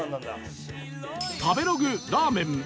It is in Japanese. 食べログラーメン